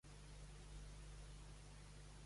Continua parlant llavors l'home?